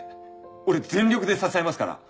俺全力で支えますから。